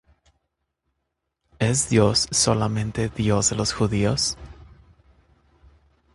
¿Es Dios solamente Dios de los Judíos?